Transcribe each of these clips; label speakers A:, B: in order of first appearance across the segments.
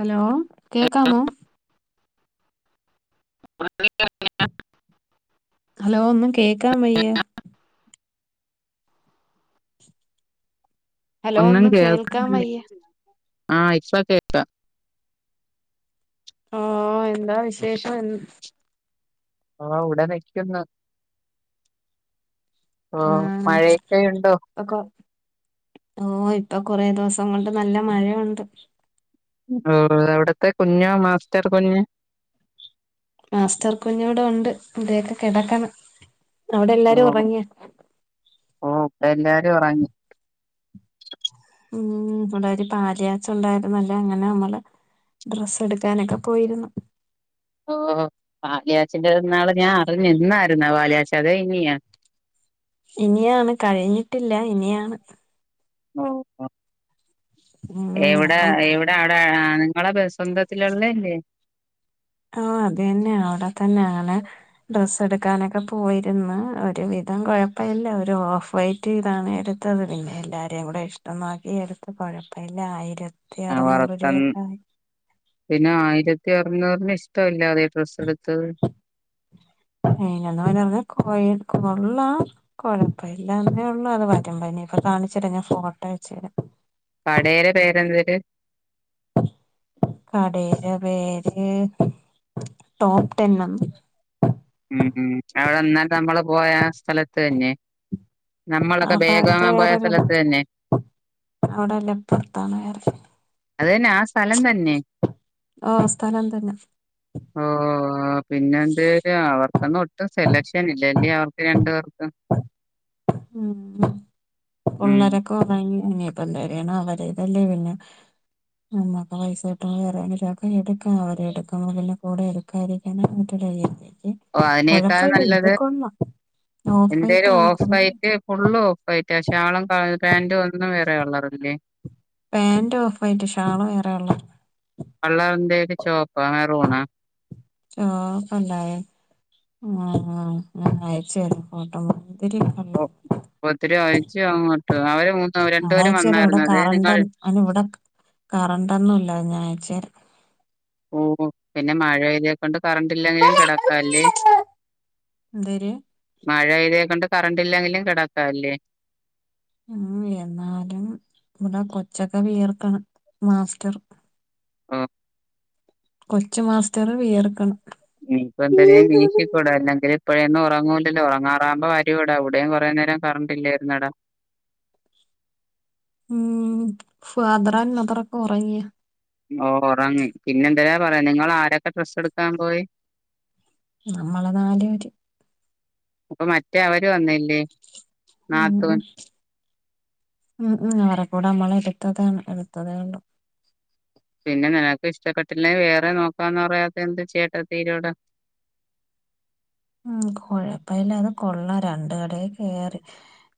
A: Hello കേക്കാമോ
B: [unintelligible]
A: hello ഒന്നും കേക്കാൻ വയ്യ. ഹലോ
B: ഒന്നും
A: കേൾക്കാൻ
B: കേൾക്കുന്നില്ലേ?
A: വയ്യ
B: ആഹ് ഇപ്പ കേ
A: ആഹ് എന്താ വിശേഷഎ
B: ആഹ് ഇവിട നിക്ക്ന്ന് ഓഹ് മഴയൊക്കെ യുണ്ടോ?
A: ഇപ്പ കൊർ ഓഹ് ഇപ്പൊ കൊറേ ദിവസം കൊണ്ട് നല്ല മഴയുണ്ട്.
B: ഓഹ് അവിടത്തെ കുഞ്ഞോ മാസ്റ്റർ കുഞ്ഞ്
A: മാസ്റ്റർ കുഞ്ഞൂടെ ഉണ്ട് ഇന്റെക്കെ കെടക്കണ് അവിടെ എല്ലാരും ഉറങ്ങിയ
B: ഓഹ് ഇപ്പോ എല്ലാരും ഒറങ്ങി
A: ഉം ഇവിടൊരു പാല്കാച്ച് ഉണ്ടായിരുന്നല്ലോ അങ്ങനെ നമ്മള് ഡ്രസ്സ് എടുക്കാനൊക്കെ പോയിരുന്നു
B: ഓഹ് പാല് കാച്ചിന്റെ ന്നാള് ഞാൻ അറിഞ്ഞ് ഇന്നായിരുന്ന പാല്കാച്ച് അത ഇനിയ
A: ഇനിയാണ് കഴിഞ്ഞിട്ടില്ല ഇനിയാണ്
B: ഓഹ്
A: ഉം
B: എവിടാ
A: അപ്പം
B: എവിട് ടാ അവിട നിങ്ങട ബ സ്വന്തത്തിൽ ഉള്ളതല്ലേ
A: ആഹ് അതന്നെ അവിടെ തന്നെ ആണെ ഡ്രസ്സ് എടുക്കാനൊക്കെ പോയിരുന്നു ഒരു വിധം കുഴപ്പവില്ല ഒരു ഓഫ് വയി റ്റ് ഇതാണെ എടുത്തത് പിന്നെ എല്ലാരേം കൂടെ ഇഷ്ട്ടം നോക്കി എടുത്ത് കോഴപ്പല്ല ആയിര
B: ആഹ് വറത്തൻ പിന്നെ ആയിരത്തി അറുന്നൂറിന് ഇഷ്ടല്ലാതെ ഡ്രസ്സ്‌ എടുത്തത്
A: ഏഹ് എന്നാ പറഞ്ഞെ കോയെ കൊള്ളാം കൊഴപ്പല്ലന്നേഉള്ളൂ അത് വരുമ്പോ ഇനി ഇപ്പൊ കാണിച്ചുതരാ ഞാൻ ഫോട്ടോ അയച്ച തരാം
B: കടേട പേരെന്തര്
A: കടേട പേര് ടോപ് ടെൻ
B: ഉം അവിടെന്നാൽ നമ്മള് പോയ സ്ഥലത്ത് തന്നെ
A: ആ
B: നമ്മളൊക്കെ
A: ഭാഗത്ത്
B: ബേഗാങ്ങാൻ പോയ സ്ഥലത്ത്
A: വേറൊരിടത്ത്
B: തന്നെ
A: അവിടല്ല അപ്പറത്താണ് വേറെ
B: അത് തന്നെ ആ സ്ഥലം തന്നെ
A: ആഹ് സ്ഥലം തന്നെ
B: ഓ പിന്നെന്ത് അവർക്കൊന്നും ഒട്ടും സെലക്ഷൻ ഇല്ലല്ലിയോ അവർക്ക് രണ്ടു പേർക്കും
A: [inaudible] ഉം
B: ഉം
A: പുള്ളരൊക്കെ ഉറങ്ങി ഇനിപ്പ എന്താെയണം അവരിതല്ലേ പിന്നെ അമ്മൊക്കെ പൈസ കിട്ടുമ്പോ വേറെങ്കിലും ഒക്കെ എടുക്കാം അവര് എടുക്കുമ്പോ പിന്നെ കൂടെ എടുക്കും [unintelligible]
B: ഓ അതിനേക്കാൾ നല്ലത്
A: ഓഫ് വൈറ്റ്
B: എന്തേലും
A: ആണ് കൊള്ളാം.
B: ഓഫറായിട്ട് ഫുള്ളും ഓഫ് ആയിട്ടാ ശാളും പാന്റും ഒന്നും വേറെ കളറില്ലേ
A: പാന്റ് ഓഫ് ആയിട്ട ഷാള് വേറെ കളറാ
B: വെള്ള വന്തേല് ചുവപ്പ മെറൂണ
A: ചുവപ്പല്ലവേറെ ഉം അയച്ചര ഫോട്ടോ ഒത്തിരി [unintelligible]
B: ഓ ഒത്തിരി ആഴ്ച അങ്ങോട്ട് അവര് മൂന്ന്
A: അത്
B: രണ്ടുപേരും
A: അയച്ചു തരാം ഇവിടെ
B: വന്നായിരുന്ന അതെ
A: കറണ്ട്
B: നിങ്ങൾ
A: ഇവിടെ കറണ്ടൊന്നും ഇല്ലായിരുന്നു അയച്ചരാം
B: ഓ പിന്നെ മഴ പെയ്തെ കൊണ്ട് കറണ്ട് ഇല്ലെങ്കിലും കിടക്കാല്ലേ
A: എന്തെര്
B: മഴെപെയ്തേ കൊണ്ട് കറണ്ട് ഇല്ലെങ്കിലും കിടക്കാല്ലേ
A: ഉം എന്നാലും ഇവിടെ കൊച്ചക്ക വിയർക്കണ് മാസ്റ്റർ
B: ഉം
A: കൊച്ചു മാസ്റ്ററ് വിയർക്കണ്
B: നീപ്പെന്തരേം വീശ് [unintelligible] അല്ലെങ്കിൽ ഇപ്പോഴൊന്നും ഉറങ്ങൂല്ലല്ലോ ഉറങ്ങാറാകുമ്പോ വരിവെട ഇവിടെയും കുറെ നേരം കറണ്ടില്ലായിരുന്നടാ
A: ഉം ഫാദറാൻ മദറൊക്കെ ഉറങ്ങിയാ
B: ഓ ഉറങ്ങി പിന്നെ എന്തരാ പറയാ നിങ്ങൾ ആരൊക്കെ ഡ്രസ്സ് എടുക്കാൻ പോയി
A: നമ്മള് നാല് പേര്
B: അപ്പൊ മറ്റേ അവര് വന്നില്ലേ?
A: ഉം
B: നാത്തൂൻ
A: ഉം ഉം അവരെ കൂടെ നമ്മള് എടുത്തതാണ് എടുത്തതേയുള്ളൂ.
B: പിന്നെ നിനക്ക് ഇഷ്ടപ്പെട്ടില്ലേ വേറെ നോക്കായെന്ന് പറയാത്ത എന്ത്, ചേട്ടത്തിയുടെ.
A: ഉം കുഴപ്പല്ല അത് കൊള്ളാം, രണ്ട് കടയിൽ കയറി.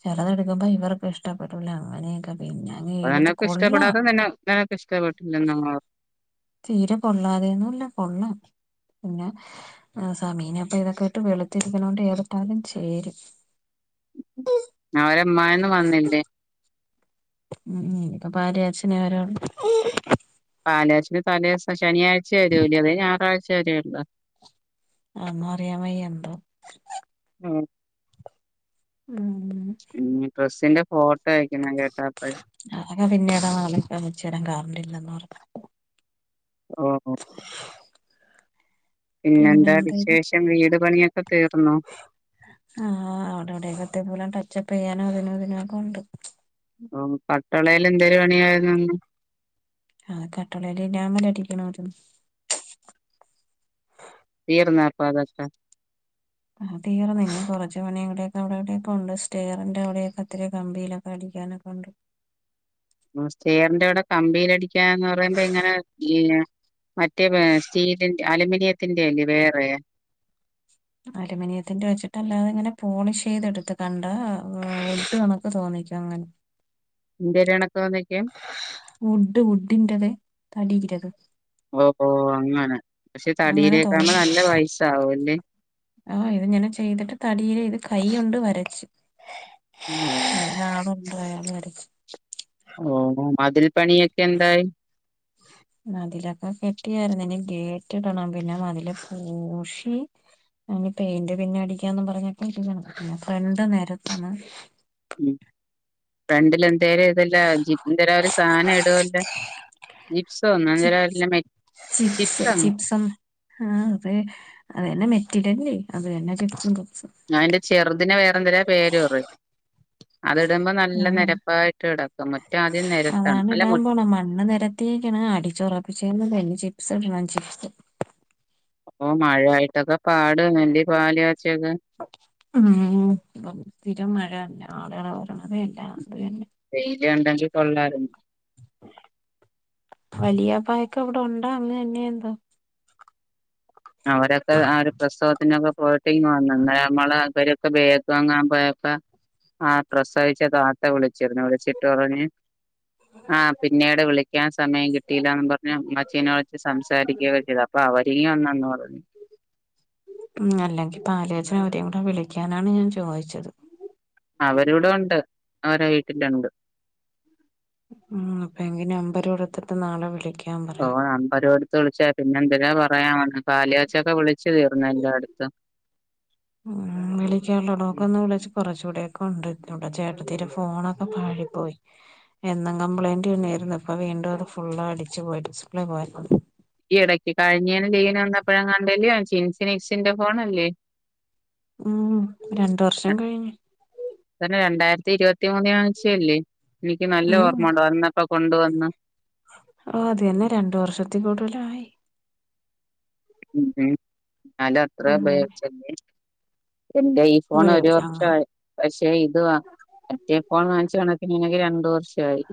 A: ചെലത് എടുക്കുമ്പോ ഇവർക്ക് ഇഷ്ടപ്പെട്ടൂല അങ്ങനെയൊക്കെ പിന്നെ. അങ്ങ്
B: അപ്പൊ
A: എടുത്ത്
B: നിനക്ക്
A: കൊള്ളാം
B: ഇഷ്ടപ്പെടാതെ എന്തിനാ നിനക്ക് ഇഷ്ടപ്പെട്ടില്ല എന്ന് അങ്ങ്.
A: തീരെ കൊള്ളാതെയന്നുല്ല കൊള്ളാം. പിന്നെ സമീന ഇപ്പൊ ഇതൊക്കെ ഇട്ട് വെളുത്തിരിക്കുന്ന കൊണ്ട് ഏത് ഇട്ടാലും ചേരും.
B: അവര് ഉമ്മയെന്നും വന്നില്ലേ?
A: ഉം ഇപ്പൊ പാലുകാച്ചിനെ വരുള്ളൂ.
B: പാലുകാച്ചിന് തലേദിവസം ശനിയാഴ്ച വരൂലെ അവര് ഞായറാഴ്ച വരേയുള്ളൂ.
A: അതൊന്നും അറിയാൻ വയ്യാ എന്തോ?
B: ഞാൻ
A: ഉം
B: പിന്നെ ഡ്രസ്സിന്റെ ഫോട്ടോ അയിക്കണം കേട്ടോ അപ്പോഴേ.
A: അതൊക്കെ പിന്നീട് നാളെ അയിച്ചു തരാൻ കാറണ്ടില്ലന്ന് ഓർത്ത്.
B: ഓഹ്
A: പിന്നെ
B: പിന്നെന്താ
A: എന്തേല്
B: വിശേഷം വീട് പണിയൊക്കെ തീർന്നോ?
A: ആഹ് അവിടെ അവിടെ അകത്ത് പോലെ ടച്ച് അപ്പ്‌ ചെയ്യാനും അതിനും ഇതിനും ഒക്കെ ഉണ്ട്.
B: ഓഹ് കട്ള എന്തൊരു പണിയായിരുന്നു എന്ന്.
A: ആഹ് കട്ളിലെ ഇനാമൽ അടിക്കണം ആയിരുന്നു.
B: തീർന്നോ അപ്പൊ അതൊക്കെ?
A: ആഹ് തീർന്ന് ഇനി കുറച്ച് പണിയും കൂടെ അവിടെ ഇവിടെയൊക്കെ ഉണ്ട് സ്റ്ററിന്റെ അവിടെയൊക്കെ ഇത്തിരി കമ്പിയിലും. അടിക്കാനൊക്കെ ഉണ്ട്.
B: നമ്മള് സ്റ്റിയറിന്റെ അവിടെ കമ്പിയിലടിക്കാന്ന് പറയുമ്പോ ഇങ്ങനെ ഈ. മറ്റേ വേ സ്റ്റീലിലിന്റെ അലുമിനിയത്തിന്റെ അല്ലേ വേറെ.
A: അലൂമിനിയത്തിന്റെ വെച്ചിട്ട് അല്ലാതെ ഇങ്ങനെ പോളിഷ് ചെയ്ത് ഇടുത്ത് കണ്ടോൽ വലുത് കണക്ക്. തോന്നിക്കും അങ്ങനെ.
B: നിന്റെ ഒരു കണക്ക് തോന്നിക്കും.
A: വുഡ് വുഡിന്റേത് തടിന്റേത്.
B: ഓഹ് ഓഹ് അങ്ങനെ പക്ഷെ
A: അങ്ങനെ
B: തടിയൊക്കെ ആകുമ്പോ
A: തോന്നിക്കും
B: നല്ല പൈസാവുല്ലേ.
A: ആഹ് ഇത് ഇങ്ങനെ ചെയ്തിട്ട് തടിയെ ഇത് കൈ കൊണ്ട് വരച്ചു. അയിന് ആളുണ്ട് അയാൾ വരച്ചു.
B: ഓഹ് മതിൽ പണിയൊക്കെ എന്തായി?
A: മതിലൊക്കെ കെട്ടിയായിരുന്നു ഇനി ഗേറ്റ് ഇടണം പിന്നെ മതില് പൂഷി. ഇനി പെയിന്റ് പിന്നെ അടിക്കാന് പറഞ്ഞിട്ട് ഇരുക്കേണ് ഫ്രണ്ട് നേരത്തണം.
B: ഉം ഫ്രണ്ടിൽ എന്തേലും ഇതെല്ലാം വെച്ച്. എന്തോര് ഒരു സാധനം ഇടൂലെ ചിപ്സ് എന്നോ
A: ചി
B: ഞങ്ങടെ നാട്ടിലും മോ
A: ചിപ്സ്
B: ചിപ്സം.
A: ചിപ്സും ആഹ് അതെ അത് തന്നെ മെറ്റിരല്ലേ അത് തന്നെ ചിപ്സും കപ്സും.
B: ഞാൻ അതിന്റെ ചെറുതിന് വേറെ എന്തോരോ പേര് പറയും. അത് ഇടുമ്പോൾ നല്ല
A: ആഹ്
B: നിരപ്പായിട്ട് കിടക്കും മറ്റേ ആദ്യം നേരത്താണം
A: അതാണ്
B: നല്ല
A: ഇടാൻ
B: മുറ്റം.
A: മണ്ണ് നിരത്തി. ക്കേണ് അടിച്ച് ഉറപ്പിച്ചന്നെ ചിപ്സ് ഇടണം ചിപ്സാം.
B: ഓഹ് മഴായിട്ടൊക്കെ പാട നെന് പാല് ച്ചൊക്കെ
A: ഉം ഇപ്പം സ്ഥിരം മഴല്ല ആളുകളെ [unintelligible]
B: വെയില ഉണ്ടെങ്കി കൊള്ളായിരുന്നു
A: വലിയ പായക്ക അവിടെ ഉണ്ടോ അങ്ങ് ന്നെ എന്തോ
B: അവരൊക്കെ ആഹ് ഒരു പ്രസവത്തിനൊക്കെ പോയിട്ട് ഇ വന്നന്ന നമ്മള് അവരൊക്കെ ഭേഗ വങ്ങാൻ പോയപ്പ ആഹ് പ്രസവിച്ച താത്ത വിളിച്ചിരുന്നു വിളിച്ചിട്ട് പറഞ്ഞ് ആഹ് പിന്നീട് വിളിക്കാൻ സമയം കിട്ടിയിലാന്ന് പറഞ്ഞ് മച്ചീനെ വിളിച്ച് സംസാരിക്ക [unintelligible] പ്പ അവരീം വന്നന്നോ
A: ഉം അല്ലെങ്കി പാലഛന് അവരയും കൂടെ വിളിക്കാനാണ് ഞാൻ ചോയിച്ചത്
B: അവരിവിടെ ഉണ്ട് അവരെ വീട്ടിലുണ്ട്
A: ഉം പ്പങ്കി നമ്പര്കൊടുത്തിട്ട് നാളെ വിളിക്കും
B: ഓഹ് നമ്പറ് കൊടുത്ത് വിളിച്ച പിന്നെ എന്തിന പറയാൻ വന്ന് പാലാച്ചൊക്കെ വിളിച്ചു തീർന്ന എല്ലോടുതും
A: ഉം വിളിക്കാനുള്ളടോക്ക ഒന്ന് വിളിച്ച് കുറച്ചുകൂടെക്കെണ്ട് ചേട്ടത്തിരെ ഫോണൊക്കെ പ പോയി എന്നും കംപ്ലയിന്റ് ന്നായിരുന്നു ഇപ്പ വീണ്ടും അത് ഫുള്ള അടിച്ച് പോയി ഡിസ്പ്ലേ പോയ
B: ഈ ഇടയ്ക്ക് കഴിഞ്ഞേന ലീവ്ന വന്നപ്പഴ കണ്ടല്ലേ ചിൻസിനെക്സിന്റെ ഫോണല്ലേ
A: ഉം രണ്ട് വർഷം കഴിഞ്ഞ്
B: തന്നെ രണ്ടായിരത്തി ഇരുപത്തി മൂന്നാണ് ച്ചല്ലേ എനിക്ക് നല്ല
A: ഉം
B: ഓർമ്മ ഉണ്ടോ [unintelligible] ഇപ്പൊ കൊണ്ടുവന്ന്
A: ഓഹ് അതെന്നേ രണ്ട് വർഷത്തി കൂടുതലായി
B: ഉം ഉംന്നാലു അത്ര
A: അങ്ങനെ
B: ഉപയോഗിച്ചല്ലേ ന്റെയീ ഫോൺ ഒരു
A: അങ്ങനെ
B: വർഷആയി പക്ഷെ ഇത് വാ മറ്റേ ഫോൺ വാങ്ങിച്ചു കണക്കിന് ങ്ങക്ക് രണ്ടു വർഷ ആയി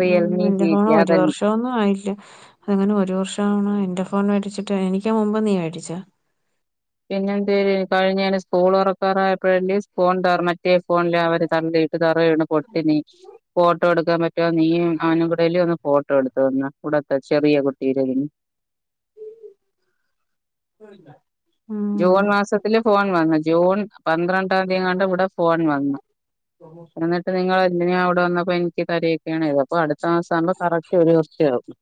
B: റിയൽമി [unintelligible]
A: ഫോ ആയിട്ട് അതങ്ങനെ ഒരു വർഷം ആണ് എന്റെ ഫോൺ മേടിച്ചിട്ട് എനിക് മുമ്പ് നീ മേടിച്ചാ
B: പിന്നെ എന്തേ കഴിഞ്ഞന് സ്കൂൾ ഉറക്കാറായപ്പോഴല്ല സ്പോൺട ഓർമ മറ്റേ ഫോണില്ല അവര് തള്ളിയിട്ട് തറേ വീണ് പൊട്ടിണി ഫോട്ടോ എടുക്കാൻ പ റ്റൊ നീയും അവനും കൂടല്ലി വന്ന് ഫോട്ടോ എടുത്തു തന്ന ഇവിടത്തെ ചെറിയ കുട്ടീരതിന്
A: ഉം
B: ജൂൺ മാസത്തില് ഫോൺ വന്ന് ജൂൺ പന്ത്രണ്ടാം തീയങ്ങാണ്ട ഇവിട ഫോൺ വന്ന് എന്നിട്ട് നിങ്ങൾ എന്തിന ഇവിടെ വന്നപ്പ എനിക്ക് തരേ ക്കേണ്യ്ത അപ്പൊ അടുത്ത മാസാവുമ്പ കറക്റ്റ് ഒരു വർഷാവും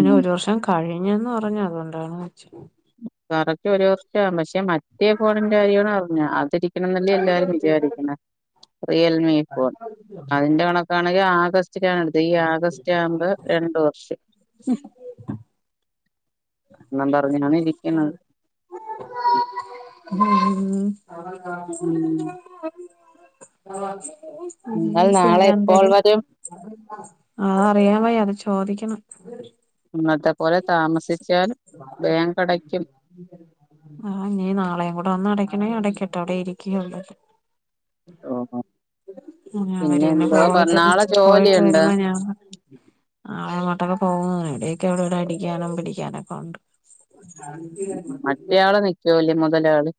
B: ഉം
A: കഴിഞ്ഞന്ന് പറഞ്ഞു അതുകൊണ്ടാണ് ചോ
B: കറക്റ്റ് ഒരു വർഷാവും പക്ഷെ മ മറ്റേ ഫോണിന്റ കാര്യോണ് പറഞ്ഞ അതിരിക്കണന്നല്ലീ എല്ലാരും വിചാരിക്കണ റിയൽമി ഫോൺ അതിന്റെ കണക് ക്കാണെങ്കി ആഗസ്റ്റിലാണ് എടുത്ത ഈ ആഗസ്റ്റ് ആവുമ്പ രണ്ട് വർഷാവും [unintelligible]
A: ഉം വേറെന്താ
B: ഉം. എന്നാൽ
A: ഉം
B: നാളെ എപ്പോൾ
A: പിന്നന്തര്
B: വരെ
A: ആഹ് അറിയാൻ വയ്യ അത് ചോദിക്കണം
B: ഇന്നത്ത പോല താമസിച്ചാൽ ബാങ്ക് അടക്കും
A: ആഹ് നി നാളെയും കൂടെ വന്ന് അടക്കണെ അടക്കട്ട് അവിടെ ഇരിക്കെ ഒള്ള്
B: ഓഹോ
A: പിന്നഹ് അവര് പിന്നെ പോയിട്ട്
B: നാളെ
A: പോയിട്ട്
B: ജോലിയുണ്ട്
A: വരുമ്പോ ഞാൻ നാളങ്ങോട്ടൊക്കെ പോകുന്ന എവിടെയൊക്കെ ഇവിട അടിക്കാനും പിടിക്കാനക്കെണ്ട്
B: മറ്റേയാള് നിക്കൂലി മുതലാളി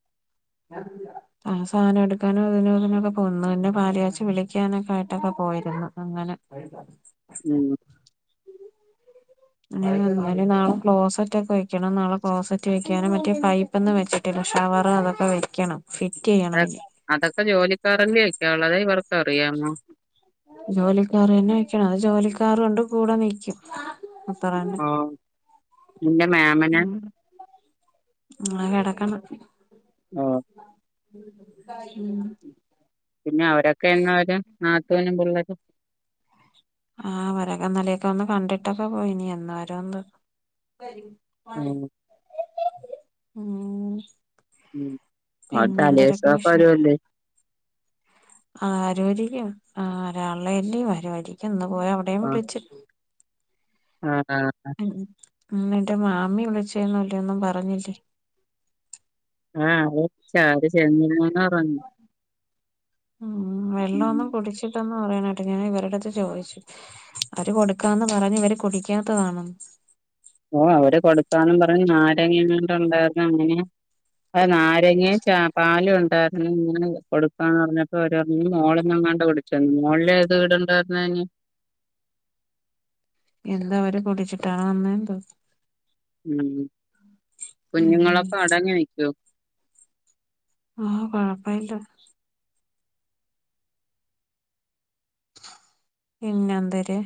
A: [unintelligible] അവൻ സാനം എടുക്കാനും അതിനും ഇതിനോക്ക പോവും ഇന്ന പാല്കാച്ച് വിളിക്കാനക്ക ആയിട്ടക്ക പോയിരുന്നു അങ്ങന [unintelligible]
B: ഉം
A: [unintelligible] നാള ക്ലോസെറ്റ് ഒക്കെ വെക്കണം നാളെ ക്ലോസെറ്റ് വെക്കാനും മറ്റേ പൈ പ്പൊന്നും വെച്ചിട്ടില്ല ഷവർ അതൊക്കെ വെക്കണം ഫിറ്റ് ചെയ്യണം
B: അതൊ
A: ഇനി
B: അതൊക്കെ ജോലിക്കാറല്ലേ വക്കാനൊള്ള അതെ ഇവർക്കറിയാമോ
A: ജോലിക്കാർ തന്ന വെക്കണ അത് ജോലിക്കാർ കൊണ്ട് കൂടെ നിക്കും അത്ര തന്ന
B: ആഹ് നിന്റെ മ്യാമന
A: ആരടക്കണ
B: ഓഹ്
A: [unintelligible]
B: പിന്നെ അവരക്ക എന്ന് വരും നാത്തൂനും പുള്ളരും
A: ആഹ് അവരക്ക ഇന്നലേക്ക വന്ന് കണ്ടിട്ടക്ക പോയി നി എന്ന് വരോന്തോ
B: ആഹ്
A: [unintelligible] ഉം
B: ഉം ആഹ്
A: പിന്നെ എന്തൊരൊക്കെ
B: തലേസൊക്ക വരോല്ലെ
A: ആഹ് രോരിക്കും ആഹ് വരാള്ളെല്ലി വരോരിക്കും ഇന്ന് പോയി അവിടേം വിളിച്ച്
B: ആണാ
A: ഉം നിന്റ മാമി വിളിച്ചേന്നും ഇല്ലി ഒന്നും പറഞ്ഞില്ലേ
B: ആഹ് അവര് വിളിച്ച് അവര് ചെന്നിരുന്നെന്ന് പറഞ്ഞ്
A: ഉം
B: ഉം
A: വെള്ളോന്നും കുടിച്ചില്ലന്ന് പറയണ കേട്ട് ഞാൻ ഇവരടുത്ത് ചോദിച്ചു അവര് കൊടുക്കാന്ന് പറഞ്ഞ് ഇവര് കുടിക്കാത്തതാണെന്ന്
B: ഓഹ് അവര് കൊടുക്കാന്നും പറഞ്ഞ് നാരങ്ങേങ്ങാണ്ട ഒണ്ടാര്ന്ന് അങ്ങന അഹ് നാരങ്ങേ ച പാലും ഉണ്ടാര്ന്ന് ഇങ്ങനെ കൊടുക്കാന്ന് പറഞ്ഞപ്പോ അവര് പറഞ് മോളിന്നങ്ങാണ്ട കുടിച് ചെന് മോളിലേത് വീടൊണ്ടായിരിന്നയിന്
A: എന്തൊ അവര് കുടിച്ചിട്ടാണ വന്നെന്തോ
B: ഉം
A: ഉം
B: കുഞ്ഞുങ്ങളൊക്കെ അടങ്ങി നിക്കൂ
A: ആഹ് കൊഴപ്പയില്ല പിന്നെന്തര്